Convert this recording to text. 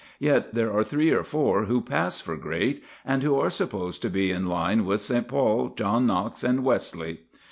Yet there are three or four who pass for great, and who are supposed to be in line with St. Paul, John Knox, and Wesley.